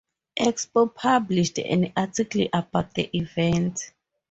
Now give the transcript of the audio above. Expo published an article about the event.